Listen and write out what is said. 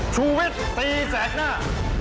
ชูวิทย์ตีแสกหน้า